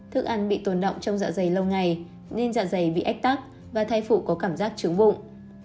thức ăn bị tồn động trong dạ dày lâu ngày nên dạ dày bị ách tắc và thay phụ có cảm giác trướng bụng